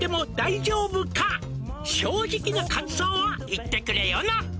「正直な感想を言ってくれよな」